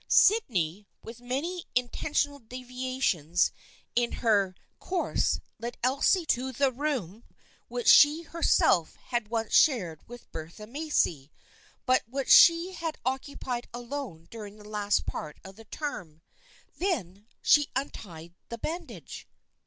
, Sydney, with many intentional deviations in her 21S THE FRIENDSHIP OF AXXE course, led Elsie to the room which she herself had once shared with Bertha Macy but which she had occupied alone during the last part of the term. Then she untied the bandage.